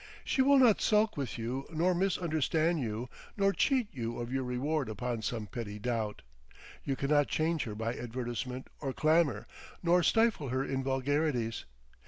She will not sulk with you nor misunderstand you nor cheat you of your reward upon some petty doubt. You cannot change her by advertisement or clamour, nor stifle her in vulgarities.